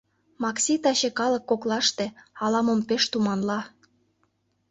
Макси таче калык коклаште, ала-мом пеш туманла.